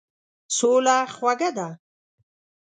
سوله خوږه ده.